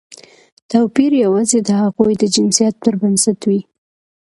توپیر یوازې د هغوی د جنسیت پر بنسټ وي.